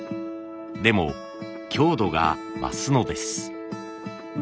でも強度が増すのです。